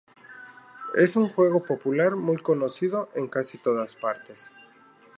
Es un juego popular muy conocido en casi todas partes.